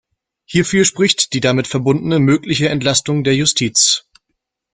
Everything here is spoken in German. Hierfür spricht die damit verbundene mögliche Entlastung der Justiz.